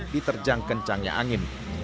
diterjang kencangnya angin